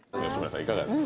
いかがですか？